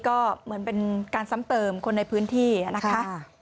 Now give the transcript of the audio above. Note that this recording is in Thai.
ก็เหมือนเป็นการซ้ำเติมคนในพื้นที่นะคะ